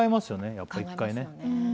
やっぱ一回ね。